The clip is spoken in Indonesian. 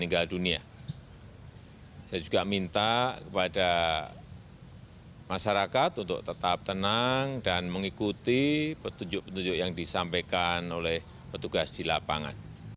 dan saya juga minta kepada masyarakat untuk tetap tenang dan mengikuti petunjuk petunjuk yang disampaikan oleh petugas di lapangan